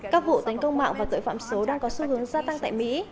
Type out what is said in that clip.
các vụ tấn công mạng và tội phạm số đang có xu hướng gia tăng tại mỹ